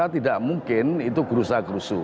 tidak mungkin itu gerusa gerusu